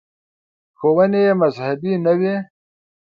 • ښوونې یې مذهبي نه وې.